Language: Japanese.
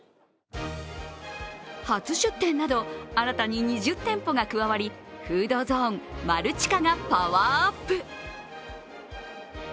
初出店など、新たに２０店舗が加わり、フードゾーンマルチカがパワーアップ。